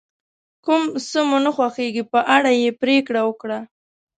کوم څه مو نه خوښیږي په اړه یې پرېکړه وکړه.